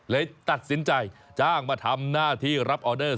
เลยตัดสินใจจ้างมาทำหน้าที่รับออเดอร์